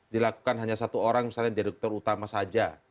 dilakukan hanya satu orang misalnya direktur utama saja